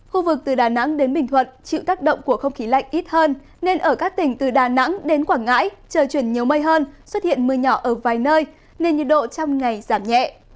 khu vực từ đà nẵng đến bình thuận chịu tác động của không khí lạnh ít hơn nên ở các tỉnh từ đà nẵng đến quảng ngãi trời chuyển nhiều mây hơn xuất hiện mưa nhỏ ở vài nơi nên nhiệt độ trong ngày giảm nhẹ